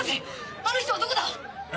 あの人はどこだ⁉え？